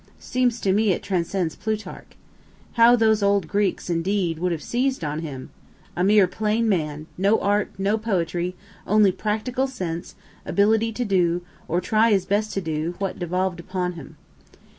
Seems to me it transcends Plutarch. How those old Greeks, indeed, would have seized on him! A mere plain man no art, no poetry only practical sense, ability to do, or try his best to do, what devolv'd upon him.